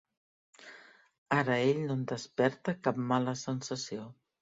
Ara ell no em desperta cap mala sensació.